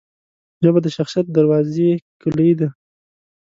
ژبه د شخصیت دروازې کلۍ ده